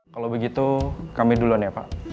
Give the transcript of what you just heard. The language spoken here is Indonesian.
kalau begitu kami duluan ya pak